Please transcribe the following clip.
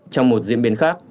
trong một diễn biến khác